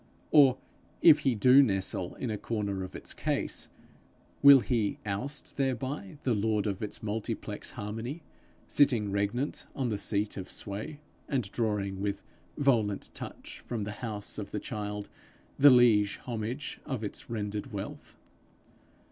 Or if he do nestle in a corner of its case, will he oust thereby the Lord of its multiplex harmony, sitting regnant on the seat of sway, and drawing with 'volant touch' from the house of the child the liege homage of its rendered wealth?